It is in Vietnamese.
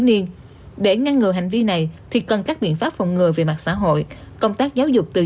niên để ngăn ngừa hành vi này thì cần các biện pháp phòng ngừa về mặt xã hội công tác giáo dục từ